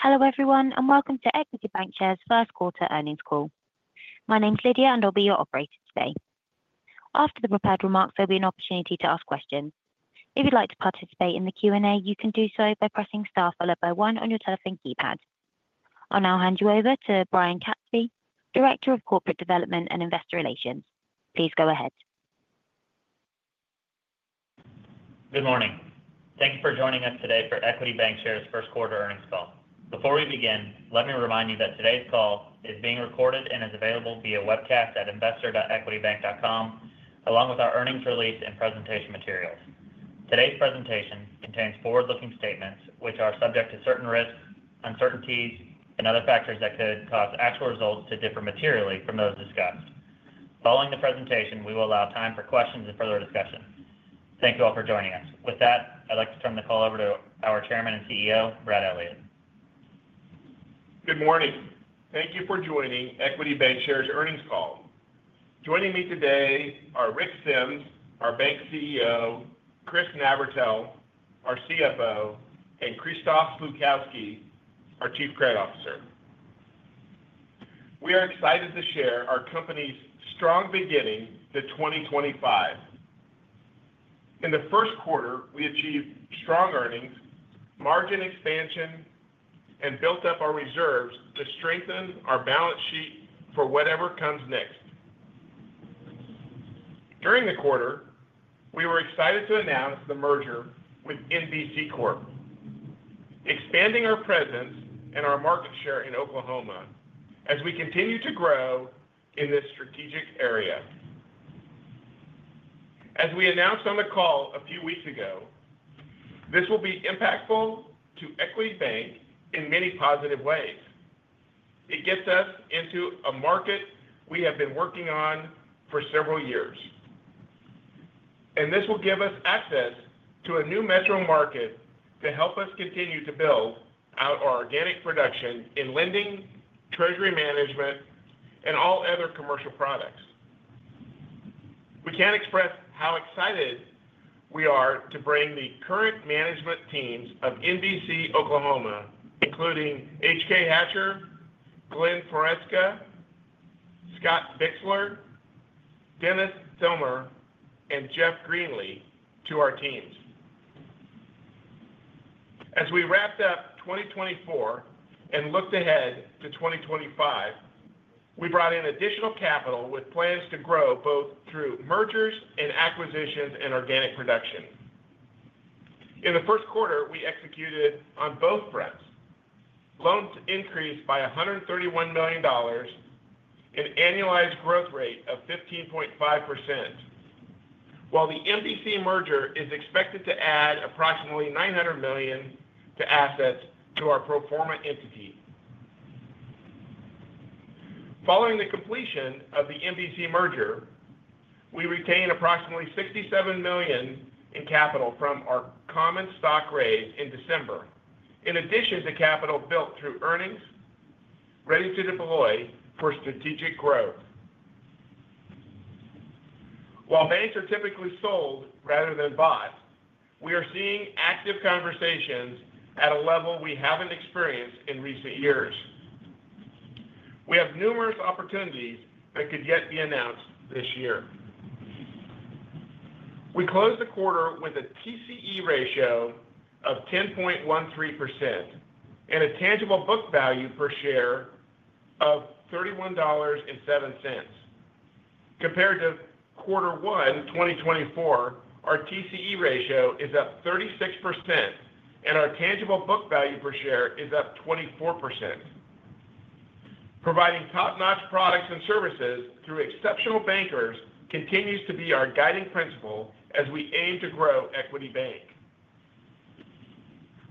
Hello everyone, and welcome to Equity Bancshares' Q1 earnings call. My name's Lydia, and I'll be your operator today. After the prepared remarks, there'll be an opportunity to ask questions. If you'd like to participate in the Q&A, you can do so by pressing star followed by one on your telephone keypad. I'll now hand you over to Brian Katzfey, Director of Corporate Development and Investor Relations. Please go ahead. Good morning. Thank you for joining us today for Equity Bancshares' Q1 earnings call. Before we begin, let me remind you that today's call is being recorded and is available via webcast at investor.equitybank.com, along with our earnings release and presentation materials. Today's presentation contains forward-looking statements, which are subject to certain risks, uncertainties, and other factors that could cause actual results to differ materially from those discussed. Following the presentation, we will allow time for questions and further discussion. Thank you all for joining us. With that, I'd like to turn the call over to our Chairman and CEO, Brad Elliott. Good morning. Thank you for joining Equity Bancshares' earnings call. Joining me today are Rick Sems, our Bank CEO, Chris Navratil, our CFO, and Krzysztof Slupkowski, our Chief Credit Officer. We are excited to share our company's strong beginning to 2025. In the Q1, we achieved strong earnings, margin expansion, and built up our reserves to strengthen our balance sheet for whatever comes next. During the quarter, we were excited to announce the merger with NBC Corp. of Oklahoma, expanding our presence and our market share in Oklahoma as we continue to grow in this strategic area. As we announced on the call a few weeks ago, this will be impactful to Equity Bank in many positive ways. It gets us into a market we have been working on for several years, and this will give us access to a new metro market to help us continue to build out our organic production in lending, treasury management, and all other commercial products. We can't express how excited we are to bring the current management teams of NBC Oklahoma, including H.K. Hatcher, Glenn Floresca, Scott Bixler, Dennis Thomer, and Jeff Greenlee, to our teams. As we wrapped up 2024 and looked ahead to 2025, we brought in additional capital with plans to grow both through mergers and acquisitions and organic production. In the Q1, we executed on both fronts. Loans increased by $131 million and annualized growth rate of 15.5%, while the NBC merger is expected to add approximately $900 million to assets to our pro forma entity. Following the completion of the NBC merger, we retained approximately $67 million in capital from our common stock raise in December, in addition to capital built through earnings ready to deploy for strategic growth. While banks are typically sold rather than bought, we are seeing active conversations at a level we have not experienced in recent years. We have numerous opportunities that could yet be announced this year. We closed the quarter with a TCE ratio of 10.13% and a tangible book value per share of $31.07. Compared to quarter one 2024, our TCE ratio is up 36%, and our tangible book value per share is up 24%. Providing top-notch products and services through exceptional bankers continues to be our guiding principle as we aim to grow Equity Bank.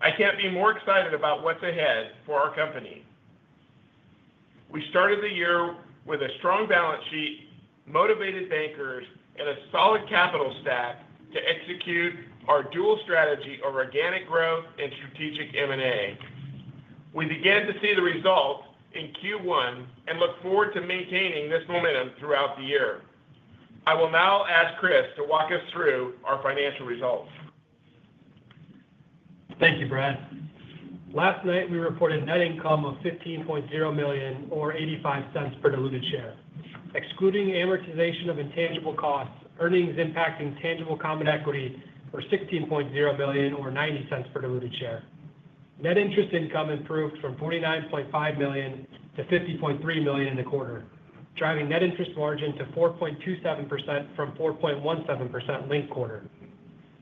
I cannot be more excited about what is ahead for our company. We started the year with a strong balance sheet, motivated bankers, and a solid capital stack to execute our dual strategy of organic growth and strategic M&A. We began to see the results in Q1 and look forward to maintaining this momentum throughout the year. I will now ask Chris to walk us through our financial results. Thank you, Brad. Last night, we reported net income of $15.0 million, or $0.85 per diluted share. Excluding amortization of intangible costs, earnings impacting tangible common equity were $16.0 million, or $0.90 per diluted share. Net interest income improved from $49.5 million to $50.3 million in the quarter, driving net interest margin to 4.27% from 4.17% late quarter.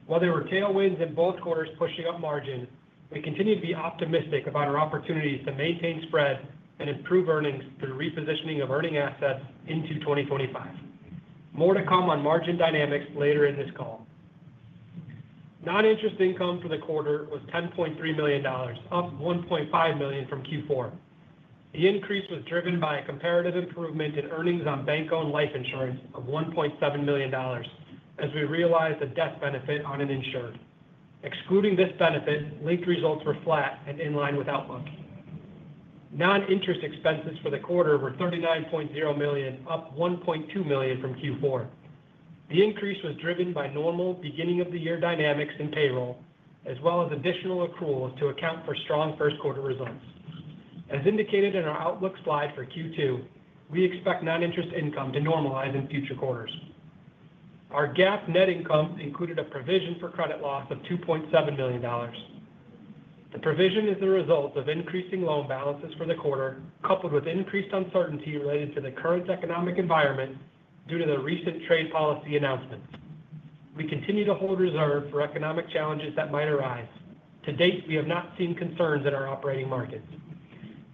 While there were tailwinds in both quarters pushing up margin, we continue to be optimistic about our opportunities to maintain spread and improve earnings through repositioning of earning assets into 2025. More to come on margin dynamics later in this call. Non-interest income for the quarter was $10.3 million, up $1.5 million from Q4. The increase was driven by a comparative improvement in earnings on bank-owned life insurance of $1.7 million as we realized the death benefit on an insured. Excluding this benefit, linked results were flat and in line with outlook. Non-interest expenses for the quarter were $39.0 million, up $1.2 million from Q4. The increase was driven by normal beginning-of-the-year dynamics in payroll, as well as additional accruals to account for strong Q1 results. As indicated in our outlook slide for Q2, we expect non-interest income to normalize in future quarters. Our GAAP net income included a provision for credit loss of $2.7 million. The provision is the result of increasing loan balances for the quarter, coupled with increased uncertainty related to the current economic environment due to the recent trade policy announcements. We continue to hold reserve for economic challenges that might arise. To date, we have not seen concerns in our operating markets.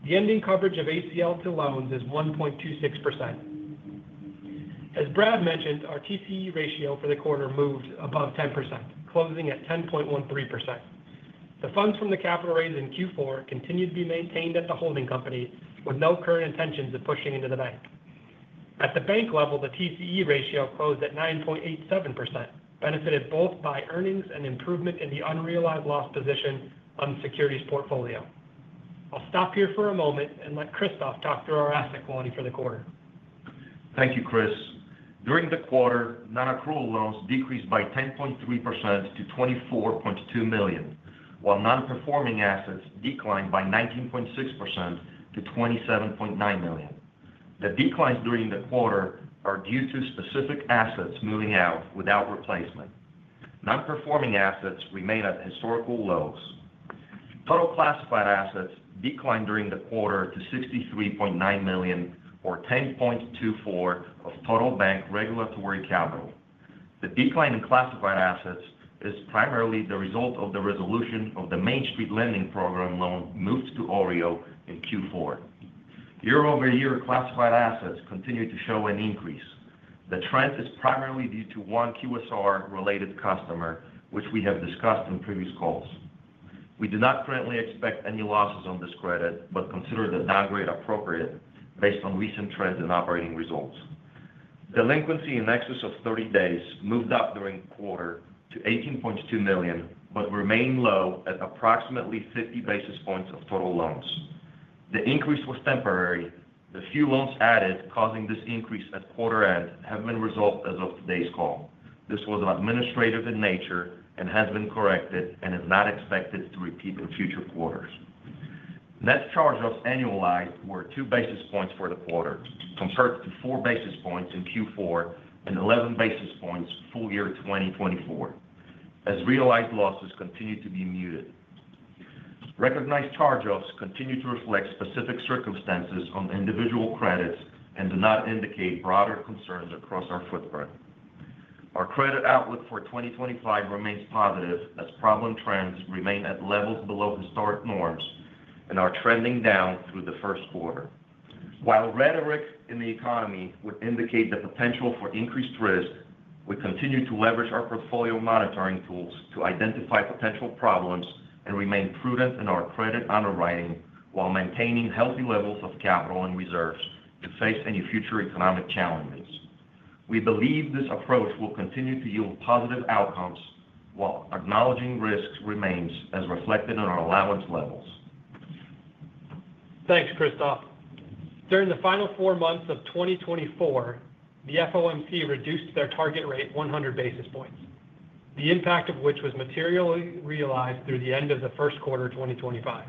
The ending coverage of ACL to loans is 1.26%. As Brad mentioned, our TCE ratio for the quarter moved above 10%, closing at 10.13%. The funds from the capital raised in Q4 continue to be maintained at the holding company with no current intentions of pushing into the bank. At the bank level, the TCE ratio closed at 9.87%, benefited both by earnings and improvement in the unrealized loss position on the securities portfolio. I'll stop here for a moment and let Krzysztof talk through our asset quality for the quarter. Thank you, Chris. During the quarter, non-accrual loans decreased by 10.3% to $24.2 million, while non-performing assets declined by 19.6% to $27.9 million. The declines during the quarter are due to specific assets moving out without replacement. Non-performing assets remain at historical lows. Total classified assets declined during the quarter to $63.9 million, or 10.24% of total bank regulatory capital. The decline in classified assets is primarily the result of the resolution of the Main Street Lending Program loan moved to OREO in Q4. Year-over-year classified assets continue to show an increase. The trend is primarily due to one QSR-related customer, which we have discussed in previous calls. We do not currently expect any losses on this credit but consider the downgrade appropriate based on recent trends in operating results. Delinquency in excess of 30 days moved up during the quarter to $18.2 million but remained low at approximately 50 basis points of total loans. The increase was temporary. The few loans added causing this increase at quarter end have been resolved as of today's call. This was administrative in nature and has been corrected and is not expected to repeat in future quarters. Net charge-offs annualized were 2 basis points for the quarter, compared to 4 basis points in Q4 and 11 basis points full year 2024, as realized losses continue to be muted. Recognized charge-offs continue to reflect specific circumstances on individual credits and do not indicate broader concerns across our footprint. Our credit outlook for 2025 remains positive as problem trends remain at levels below historic norms and are trending down through the Q1. While rhetoric in the economy would indicate the potential for increased risk, we continue to leverage our portfolio monitoring tools to identify potential problems and remain prudent in our credit underwriting while maintaining healthy levels of capital and reserves to face any future economic challenges. We believe this approach will continue to yield positive outcomes while acknowledging risks remains as reflected in our allowance levels. Thanks, Krzysztof. During the final four months of 2024, the FOMC reduced their target rate 100 basis points, the impact of which was materially realized through the end of the Q1 2025.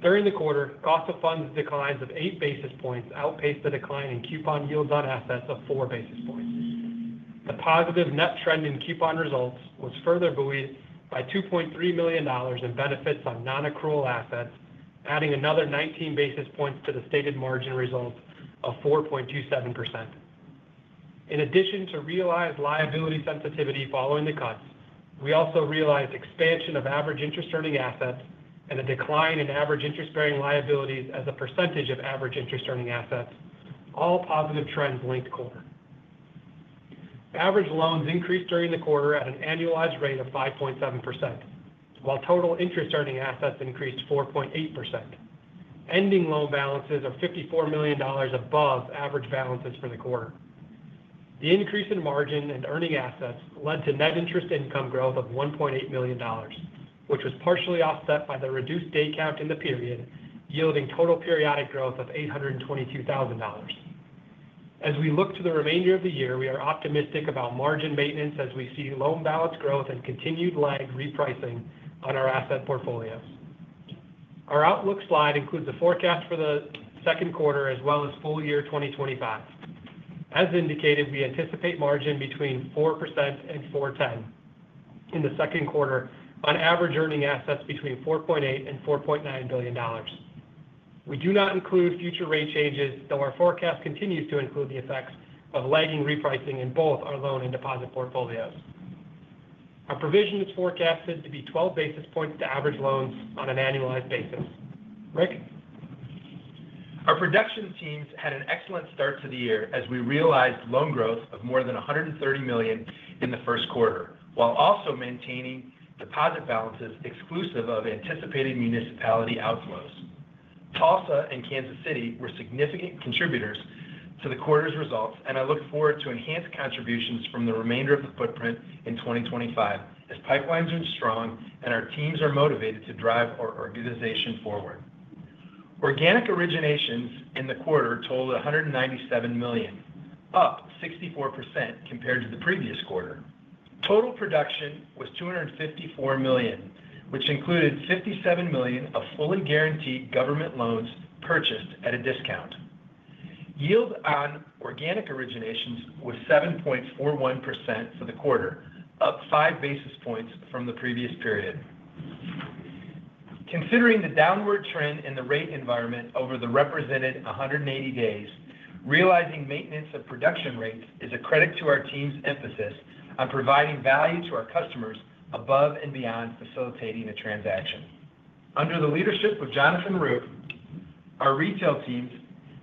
During the quarter, cost of funds declines of 8 basis points outpaced the decline in coupon yields on assets of 4 basis points. The positive net trend in coupon results was further buoyed by $2.3 million in benefits on non-accrual assets, adding another 19 basis points to the stated margin result of 4.27%. In addition to realized liability sensitivity following the cuts, we also realized expansion of average interest-earning assets and a decline in average interest-bearing liabilities as a percentage of average interest-earning assets, all positive trends linked quarter. Average loans increased during the quarter at an annualized rate of 5.7%, while total interest-earning assets increased 4.8%. Ending loan balances are $54 million above average balances for the quarter. The increase in margin and earning assets led to net interest income growth of $1.8 million, which was partially offset by the reduced day count in the period, yielding total periodic growth of $822,000. As we look to the remainder of the year, we are optimistic about margin maintenance as we see loan balance growth and continued lag repricing on our asset portfolios. Our outlook slide includes a forecast for the Q2 as well as full year 2025. As indicated, we anticipate margin between 4% and 4.10% in the Q2, on average earning assets between $4.8 billion and $4.9 billion. We do not include future rate changes, though our forecast continues to include the effects of lagging repricing in both our loan and deposit portfolios. Our provision is forecasted to be 12 basis points to average loans on an annualized basis. Rick? Our production teams had an excellent start to the year as we realized loan growth of more than $130 million in the Q1, while also maintaining deposit balances exclusive of anticipated municipality outflows. Tulsa and Kansas City were significant contributors to the quarter's results, and I look forward to enhanced contributions from the remainder of the footprint in 2025 as pipelines are strong and our teams are motivated to drive our organization forward. Organic originations in the quarter totaled $197 million, up 64% compared to the previous quarter. Total production was $254 million, which included $57 million of fully guaranteed government loans purchased at a discount. Yield on organic originations was 7.41% for the quarter, up 5 basis points from the previous period. Considering the downward trend in the rate environment over the represented 180 days, realizing maintenance of production rates is a credit to our team's emphasis on providing value to our customers above and beyond facilitating a transaction. Under the leadership of Jonathan Roop, our retail teams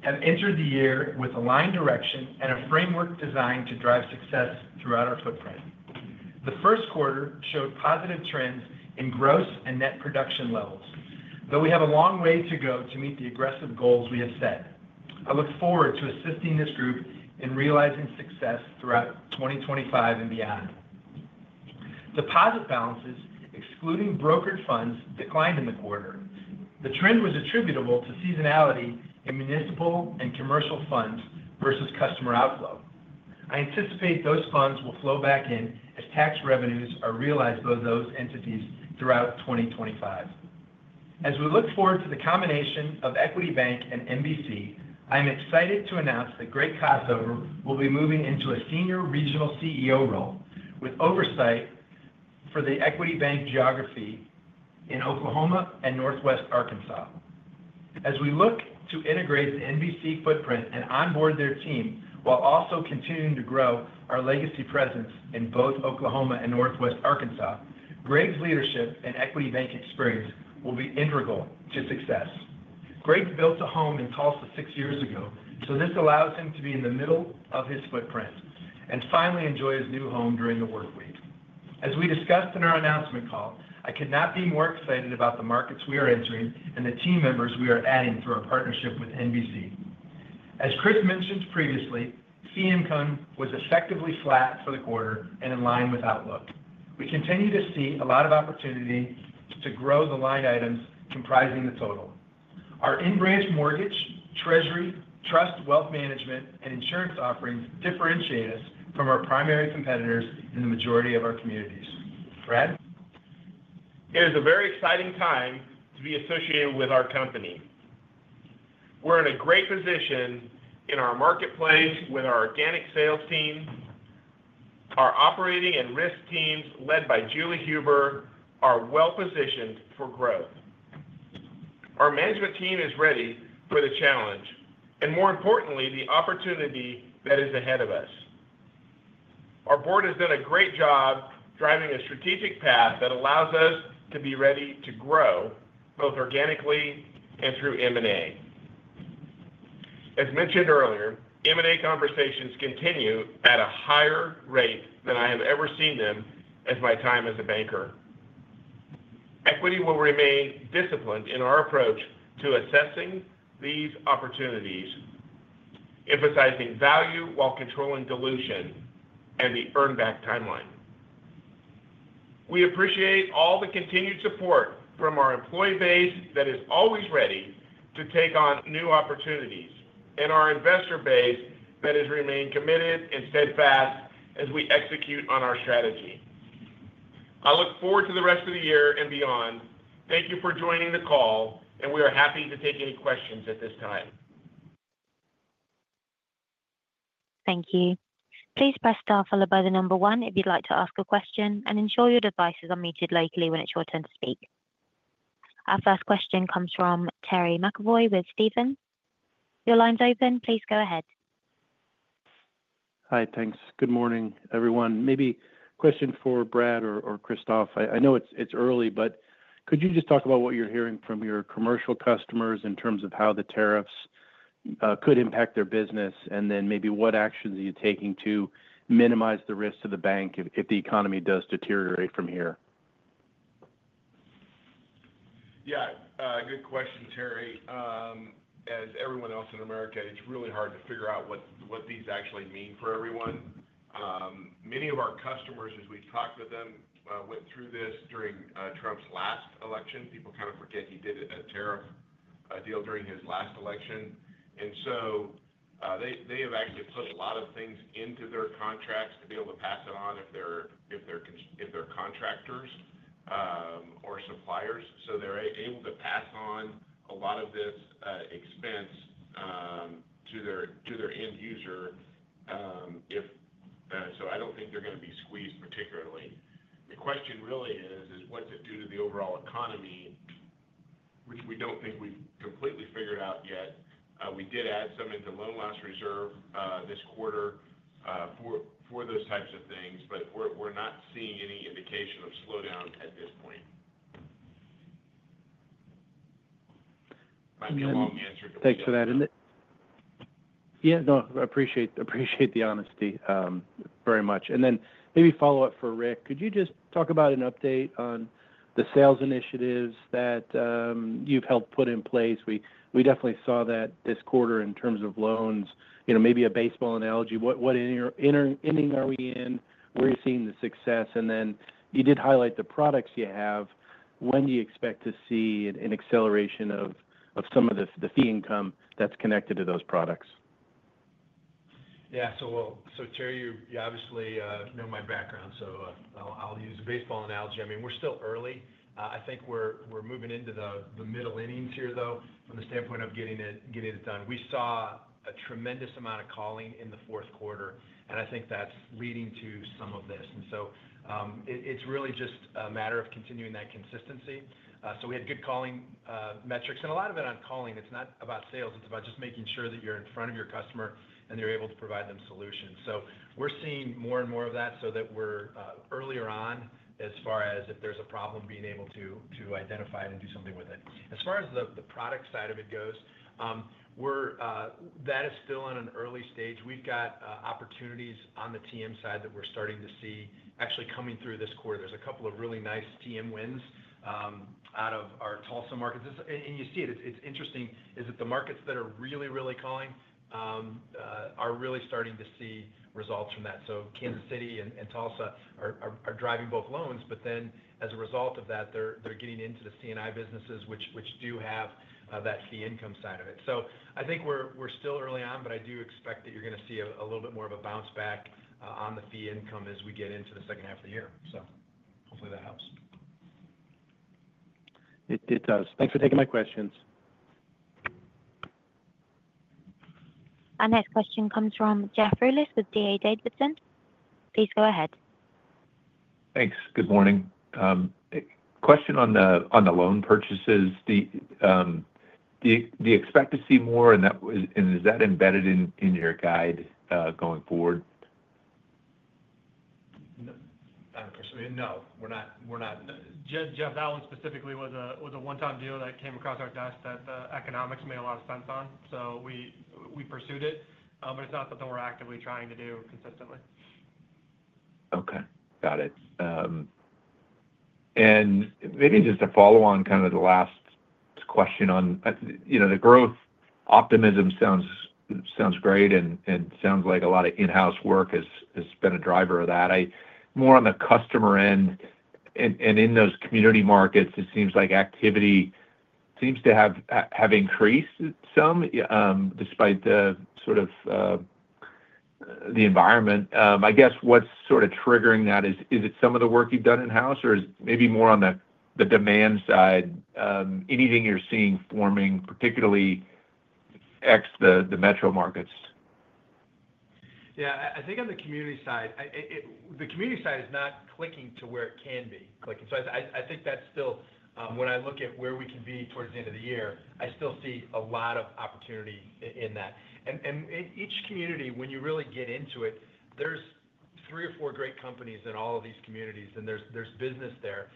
have entered the year with aligned direction and a framework designed to drive success throughout our footprint. The Q1 showed positive trends in gross and net production levels, though we have a long way to go to meet the aggressive goals we have set. I look forward to assisting this group in realizing success throughout 2025 and beyond. Deposit balances, excluding brokered funds, declined in the quarter. The trend was attributable to seasonality in municipal and commercial funds versus customer outflow. I anticipate those funds will flow back in as tax revenues are realized by those entities throughout 2025. As we look forward to the combination of Equity Bank and NBC, I'm excited to announce that Greg Kossover will be moving into a Senior Regional CEO role with oversight for the Equity Bank geography in Oklahoma and northwest Arkansas. As we look to integrate the NBC footprint and onboard their team while also continuing to grow our legacy presence in both Oklahoma and northwest Arkansas, Greg's leadership and Equity Bank experience will be integral to success. Greg built a home in Tulsa six years ago, so this allows him to be in the middle of his footprint and finally enjoy his new home during the work week. As we discussed in our announcement call, I could not be more excited about the markets we are entering and the team members we are adding through our partnership with NBC. As Chris mentioned previously, fee income was effectively flat for the quarter and in line with outlook. We continue to see a lot of opportunity to grow the line items comprising the total. Our in-branch mortgage, treasury, trust, wealth management, and insurance offerings differentiate us from our primary competitors in the majority of our communities. Brad? It is a very exciting time to be associated with our company. We're in a great position in our marketplace with our organic sales team. Our operating and risk teams led by Julie Huber are well-positioned for growth. Our management team is ready for the challenge and, more importantly, the opportunity that is ahead of us. Our board has done a great job driving a strategic path that allows us to be ready to grow both organically and through M&A. As mentioned earlier, M&A conversations continue at a higher rate than I have ever seen them as my time as a banker. Equity will remain disciplined in our approach to assessing these opportunities, emphasizing value while controlling dilution and the earn-back timeline. We appreciate all the continued support from our employee base that is always ready to take on new opportunities and our investor base that has remained committed and steadfast as we execute on our strategy. I look forward to the rest of the year and beyond. Thank you for joining the call, and we are happy to take any questions at this time. Thank you. Please press star followed by the number one if you'd like to ask a question, and ensure your devices are muted locally when it's your turn to speak. Our first question comes from Terry McEvoy with Stephens. Your line's open. Please go ahead. Hi, thanks. Good morning, everyone. Maybe a question for Brad or Krzysztof. I know it's early, but could you just talk about what you're hearing from your commercial customers in terms of how the tariffs could impact their business, and then maybe what actions are you taking to minimize the risk to the bank if the economy does deteriorate from here? Yeah, good question, Terry. As everyone else in America, it's really hard to figure out what these actually mean for everyone. Many of our customers, as we've talked with them, went through this during Trump's last election. People kind of forget he did a tariff deal during his last election. They have actually put a lot of things into their contracts to be able to pass it on if they're contractors or suppliers. They're able to pass on a lot of this expense to their end user. I don't think they're going to be squeezed particularly. The question really is, what's it do to the overall economy, which we don't think we've completely figured out yet? We did add some into loan loss reserve this quarter for those types of things, but we're not seeing any indication of slowdown at this point. [That might be a long answer to what you asked.] Thanks for that. Yeah, no, I appreciate the honesty very much. I appreciate the honesty very much. Maybe follow up for Rick. Could you just talk about an update on the sales initiatives that you've helped put in place? We definitely saw that this quarter in terms of loans. Maybe a baseball analogy. What inning are we in? Where are you seeing the success? You did highlight the products you have. When do you expect to see an acceleration of some of the fee income that's connected to those products? Yeah, so Terry, you obviously know my background, so I'll use a baseball analogy. I mean, we're still early. I think we're moving into the middle innings here, though, from the standpoint of getting it done. We saw a tremendous amount of calling in the Q4, and I think that's leading to some of this. It's really just a matter of continuing that consistency. We had good calling metrics, and a lot of it on calling. It's not about sales. It's about just making sure that you're in front of your customer and you're able to provide them solutions. We're seeing more and more of that so that we're earlier on as far as if there's a problem being able to identify it and do something with it. As far as the product side of it goes, that is still in an early stage. We've got opportunities on the TM side that we're starting to see actually coming through this quarter. There's a couple of really nice TM wins out of our Tulsa markets. You see it. It's interesting is that the markets that are really, really calling are really starting to see results from that. Kansas City and Tulsa are driving both loans, but then as a result of that, they're getting into the C&I businesses, which do have that fee income side of it. I think we're still early on, but I do expect that you're going to see a little bit more of a bounce back on the fee income as we get into the second half of the year. Hopefully that helps. It does. Thanks for taking my questions. Our next question comes from Jeff Rulis with D.A. Davidson. Please go ahead. Thanks. Good morning. Question on the loan purchases. Do you expect to see more, and is that embedded in your guide going forward? No, we're not. Jeff, that one specifically was a one-time deal that came across our desk that the economics made a lot of sense on, so we pursued it, but it's not something we're actively trying to do consistently. Okay. Got it. Maybe just to follow on kind of the last question on the growth optimism, sounds great and sounds like a lot of in-house work has been a driver of that. More on the customer end and in those community markets, it seems like activity seems to have increased some despite the sort of the environment. I guess what's sort of triggering that is, is it some of the work you've done in-house, or is it maybe more on the demand side? Anything you're seeing forming, particularly ex the metro markets? Yeah, I think on the community side, the community side is not clicking to where it can be clicking. I think that's still, when I look at where we can be towards the end of the year, I still see a lot of opportunity in that. Each community, when you really get into it, there's three or four great companies in all of these communities, and there's business there.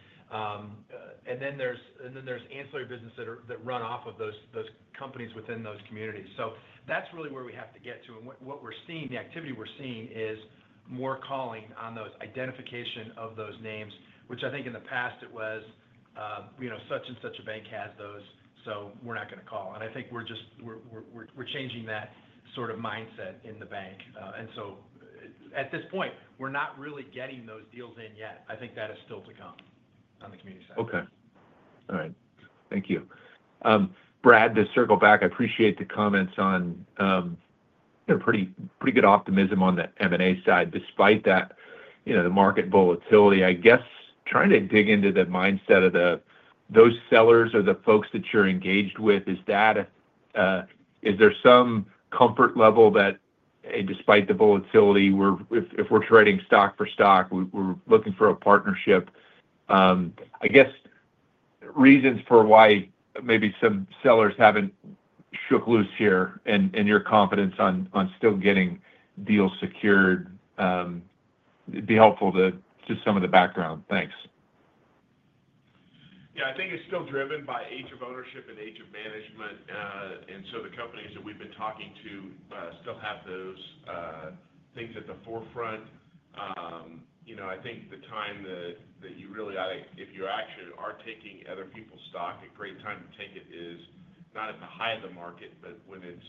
There's ancillary business that run off of those companies within those communities. That's really where we have to get to. What we're seeing, the activity we're seeing is more calling on those, identification of those names, which I think in the past it was, such and such a bank has those, so we're not going to call. I think we're changing that sort of mindset in the bank. At this point, we're not really getting those deals in yet. I think that is still to come on the community side. Okay. All right. Thank you. Brad, to circle back, I appreciate the comments on pretty good optimism on the M&A side despite the market volatility. I guess trying to dig into the mindset of those sellers or the folks that you're engaged with, is there some comfort level that despite the volatility, if we're trading stock for stock, we're looking for a partnership? I guess reasons for why maybe some sellers haven't shook loose here and your confidence on still getting deals secured would be helpful to some of the background. Thanks. Yeah, I think it's still driven by age of ownership and age of management. And so the companies that we've been talking to still have those things at the forefront. I think the time that you really got to, if you actually are taking other people's stock, a great time to take it is not at the high of the market, but when it's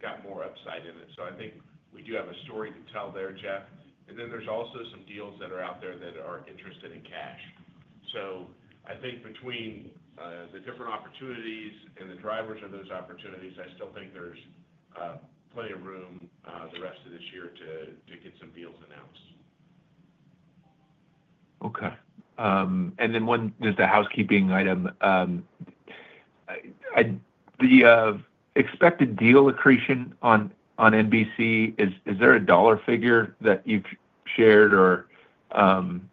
got more upside in it. I think we do have a story to tell there, Jeff. And then there's also some deals that are out there that are interested in cash. I think between the different opportunities and the drivers of those opportunities, I still think there's plenty of room the rest of this year to get some deals announced. Okay. One just a housekeeping item. The expected deal accretion on NBC, is there a dollar figure that you've shared or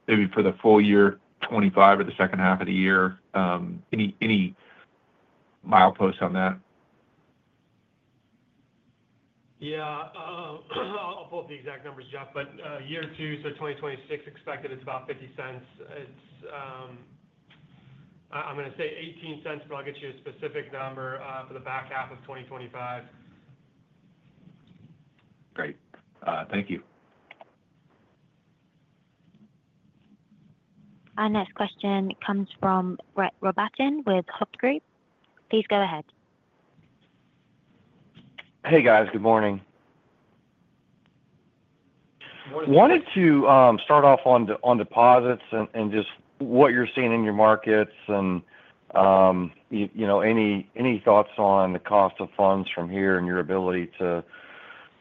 maybe for the full year 2025 or the second half of the year? Any mileposts on that? Yeah. I'll pull up the exact numbers, Jeff, but year two, so 2026, expected it's about $0.50. I'm going to say $0.18, but I'll get you a specific number for the back half of 2025. Great. Thank you. Our next question comes from Brett Rabatin with Hovde. Please go ahead. Hey, guys. Good morning. Wanted to start off on deposits and just what you're seeing in your markets and any thoughts on the cost of funds from here and your ability to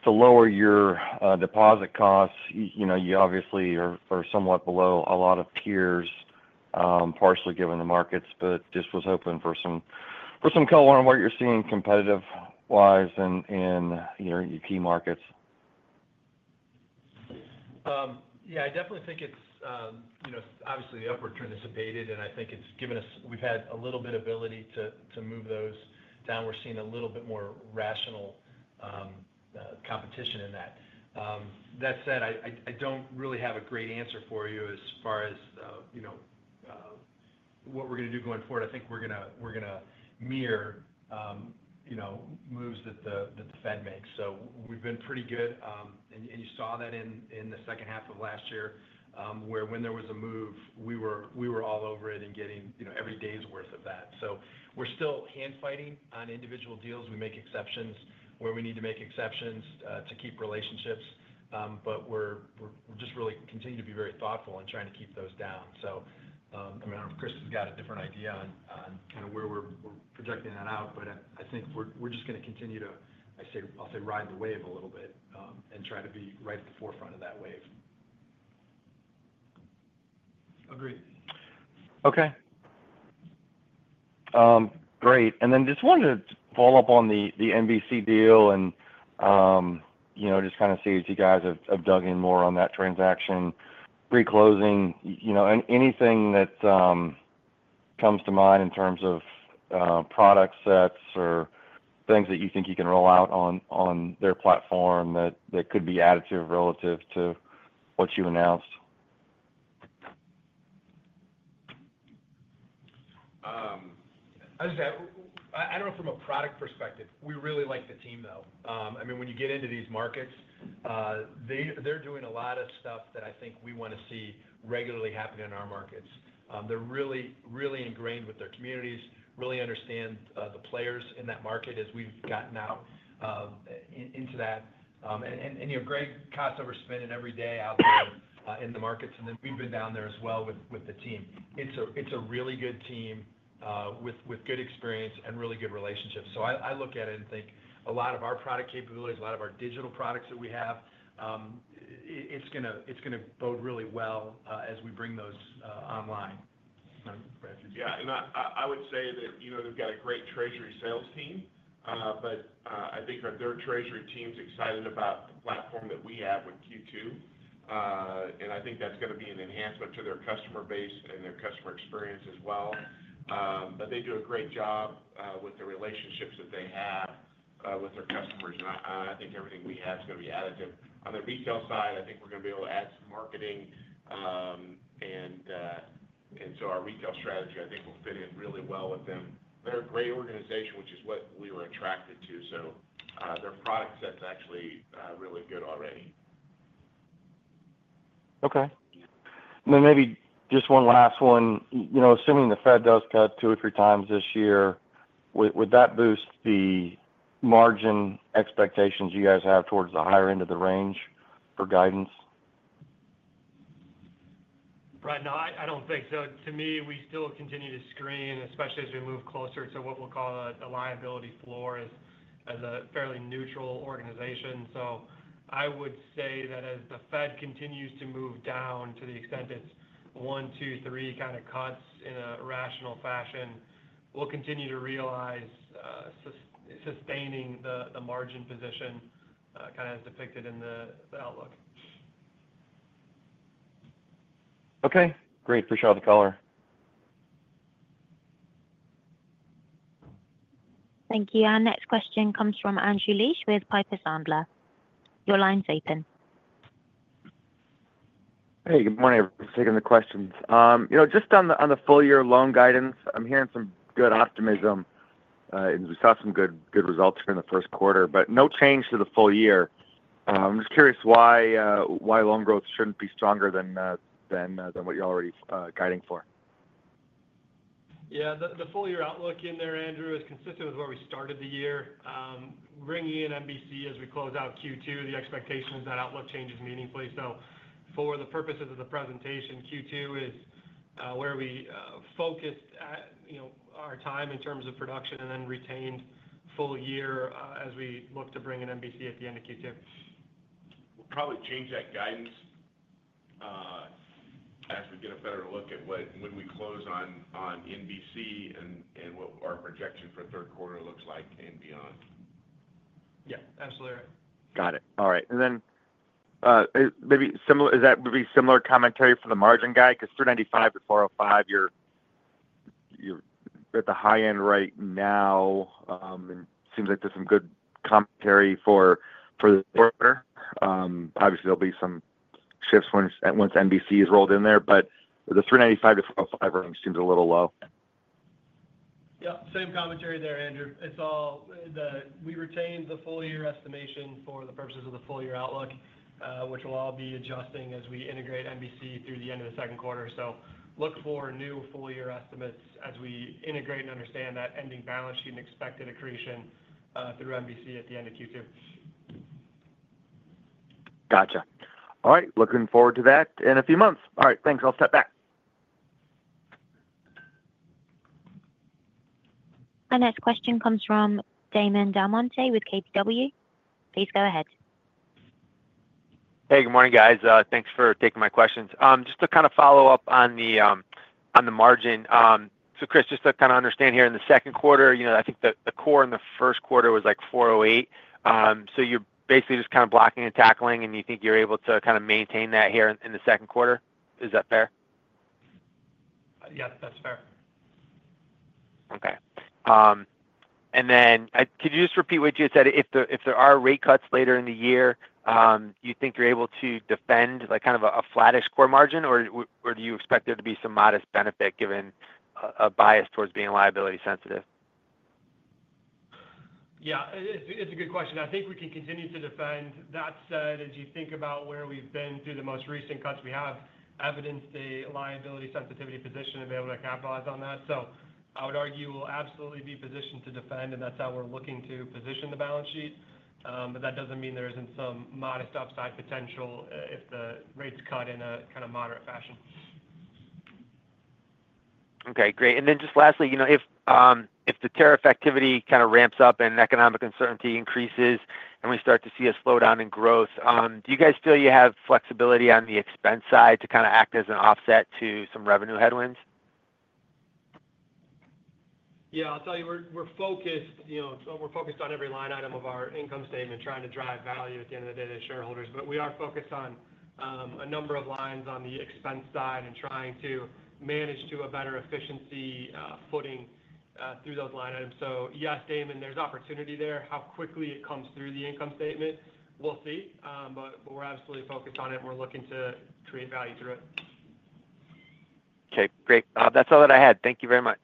lower your deposit costs. You obviously are somewhat below a lot of peers, partially given the markets, but just was hoping for some color on what you're seeing competitive-wise in your key markets. Yeah, I definitely think it's obviously the upward trend has abated, and I think it's given us we've had a little bit of ability to move those down. We're seeing a little bit more rational competition in that. That said, I don't really have a great answer for you as far as what we're going to do going forward. I think we're going to mirror moves that the Fed makes. We've been pretty good, and you saw that in the second half of last year where when there was a move, we were all over it and getting every day's worth of that. We're still hand fighting on individual deals. We make exceptions where we need to make exceptions to keep relationships, but we're just really continuing to be very thoughtful in trying to keep those down. I mean, I know Chris has got a different idea on kind of where we're projecting that out, but I think we're just going to continue to, I'll say, ride the wave a little bit and try to be right at the forefront of that wave. Agreed. Okay. Great. I just wanted to follow up on the NBC deal and just kind of see if you guys have dug in more on that transaction, pre-closing, anything that comes to mind in terms of product sets or things that you think you can roll out on their platform that could be additive relative to what you announced? I don't know from a product perspective. We really like the team, though. I mean, when you get into these markets, they're doing a lot of stuff that I think we want to see regularly happen in our markets. They're really, really ingrained with their communities, really understand the players in that market as we've gotten out into that. And Greg Kossover's spending every day out there in the markets, and then we've been down there as well with the team. It's a really good team with good experience and really good relationships. I look at it and think a lot of our product capabilities, a lot of our digital products that we have, it's going to bode really well as we bring those online. Yeah. I would say that they've got a great treasury sales team, but I think their treasury team's excited about the platform that we have with Q2. I think that's going to be an enhancement to their customer base and their customer experience as well. They do a great job with the relationships that they have with their customers. I think everything we have is going to be additive. On the retail side, I think we're going to be able to add some marketing. Our retail strategy, I think, will fit in really well with them. They're a great organization, which is what we were attracted to. Their product set's actually really good already. Okay. Maybe just one last one. Assuming the Fed does cut two or three times this year, would that boost the margin expectations you guys have towards the higher end of the range for guidance? Brett, no, I don't think so. To me, we still continue to screen, especially as we move closer to what we'll call a liability floor as a fairly neutral organization. I would say that as the Fed continues to move down to the extent it's one, two, three kind of cuts in a rational fashion, we'll continue to realize sustaining the margin position kind of as depicted in the outlook. Okay. Great. Appreciate all the color. Thank you. Our next question comes from Andrew Liesch with Piper Sandler. Your line's open. Hey, good morning. I'm taking the questions. Just on the full-year loan guidance, I'm hearing some good optimism. We saw some good results here in the Q1, but no change to the full year. I'm just curious why loan growth shouldn't be stronger than what you're already guiding for. Yeah. The full-year outlook in there, Andrew, is consistent with where we started the year. Bringing in NBC as we close out Q2, the expectation is that outlook changes meaningfully. For the purposes of the presentation, Q2 is where we focused our time in terms of production and then retained full year as we look to bring in NBC at the end of Q2. We'll probably change that guidance as we get a better look at when we close on NBC and what our projection for Q3 looks like and beyond. Yeah. Absolutely. Got it. All right. Maybe is that would be similar commentary for the margin guy? Because 395-405, you're at the high end right now, and it seems like there's some good commentary for the quarter. Obviously, there'll be some shifts once NBC is rolled in there, but the 395-405 range seems a little low. Yep. Same commentary there, Andrew. We retained the full-year estimation for the purposes of the full-year outlook, which we'll all be adjusting as we integrate NBC through the end of the Q2. Look for new full-year estimates as we integrate and understand that ending balance sheet and expected accretion through NBC at the end of Q2. Gotcha. All right. Looking forward to that in a few months. All right. Thanks. I'll step back. Our next question comes from Damon Delmonte with KBW. Please go ahead. Hey, good morning, guys. Thanks for taking my questions. Just to kind of follow up on the margin. Chris, just to kind of understand here, in the Q2, I think the core in the Q1 was like 4.08. You're basically just kind of blocking and tackling, and you think you're able to kind of maintain that here in the Q2. Is that fair? Yep. That's fair. Okay. Could you just repeat what you had said? If there are rate cuts later in the year, you think you're able to defend kind of a flat escort margin, or do you expect there to be some modest benefit given a bias towards being liability sensitive? Yeah. It's a good question. I think we can continue to defend. That said, as you think about where we've been through the most recent cuts, we have evidenced a liability sensitivity position and been able to capitalize on that. I would argue we'll absolutely be positioned to defend, and that's how we're looking to position the balance sheet. That doesn't mean there isn't some modest upside potential if the rates cut in a kind of moderate fashion. Okay. Great. Lastly, if the tariff activity kind of ramps up and economic uncertainty increases and we start to see a slowdown in growth, do you guys feel you have flexibility on the expense side to kind of act as an offset to some revenue headwinds? Yeah. I'll tell you, we're focused on every line item of our income statement, trying to drive value at the end of the day to shareholders. We are focused on a number of lines on the expense side and trying to manage to a better efficiency footing through those line items. Yes, Damon, there's opportunity there. How quickly it comes through the income statement, we'll see. We're absolutely focused on it, and we're looking to create value through it. Okay. Great. That's all that I had. Thank you very much.